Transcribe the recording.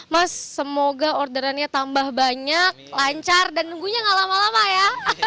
mas semoga orderannya tambah banyak lancar dan nunggunya gak lama lama ya